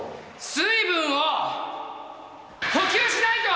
水分を補給しないと！